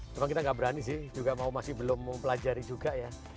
cuma kita nggak berani sih juga masih belum mempelajari juga ya